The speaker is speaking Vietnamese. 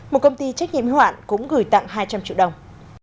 một công ty trách nhiệm hữu hạn cũng gửi tặng hai trăm linh triệu đồng